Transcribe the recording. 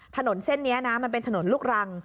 ถนนเส้นนี้นะมันเป็นถนนลูกรัง